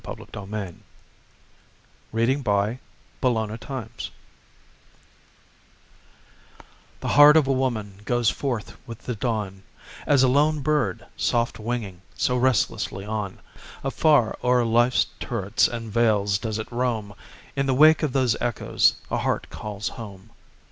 Georgia Douglas Johnson THE HEART OF A WOMAN The heart of a woman goes forth with the dawn, As a lone bird, soft winging, so restlessly on, Afar o'er life's turrets and vales does it roam In the wake of those echoes the heart calls home.